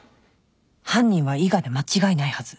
犯人は伊賀で間違いないはず